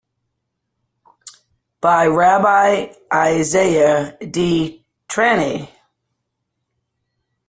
By Rabbi Isaiah di Trani.